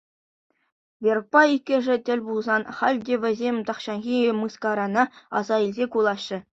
Верукпа иккӗшӗ тӗл пулсан, халь те вӗсем тахҫанхи мыскарана аса илсе кулаҫҫӗ.